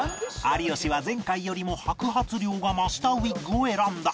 有吉は前回よりも白髪量が増したウィッグを選んだ